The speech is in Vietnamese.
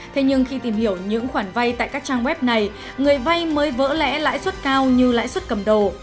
thế nhưng khi tìm hiểu những khoản vay tại các trang web này người vay mới vỡ lẽ lãi suất cao như lãi suất cầm đồ